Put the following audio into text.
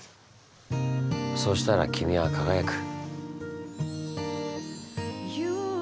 そしたら君は輝く。